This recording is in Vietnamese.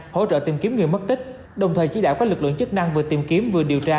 hỗ trợ tìm kiếm người mất tích đồng thời chỉ đạo các lực lượng chức năng vừa tìm kiếm vừa điều tra